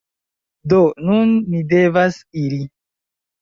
Do, nun ni devas iri